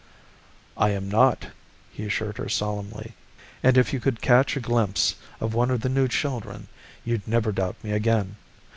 "I am not," he assured her solemnly. "And if you could catch a glimpse of one of the new children, you'd never doubt me again.